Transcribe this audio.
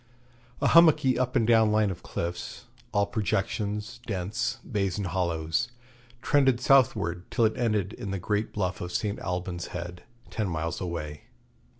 A hummocky up and down line of cliffs, all projections, dents, bays, and hollows, trended southward till it ended in the great bluff of St. Alban's Head, ten miles away.